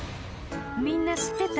みんな知ってた？